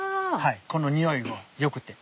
このにおいがよくて。